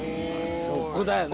そこだよね。